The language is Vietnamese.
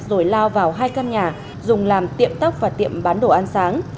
rồi lao vào hai căn nhà dùng làm tiệm tóc và tiệm bán đồ ăn sáng